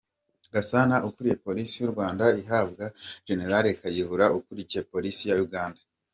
Gasana ukuriye Polisi y’u Rwanda ihabwa Gen Kale Kayihura ukuriye Polisi ya Uganda.